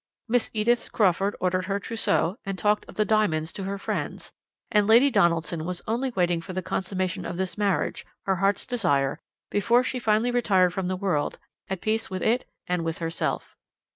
Miss Edith Crawford ordered her trousseau, and talked of the diamonds to her friends, and Lady Donaldson was only waiting for the consummation of this marriage her heart's desire before she finally retired from the world, at peace with it and with herself.